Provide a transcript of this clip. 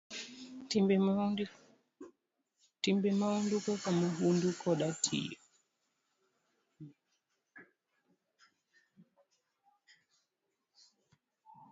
Timbe mahundu kaka mahundu koda tiyo